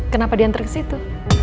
kenapa dianter ke situ